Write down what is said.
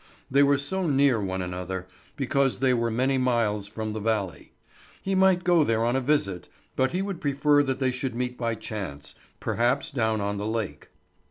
They were so near one another, because they were many miles from the valley. He might go there on a visit, but he would prefer that they should meet by chance, perhaps down on the lake.